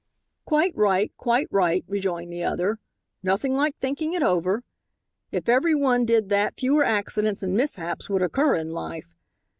"Quite right, quite right," rejoined the other, "nothing like thinking it over. If every one did that fewer accidents and mishaps would occur in life.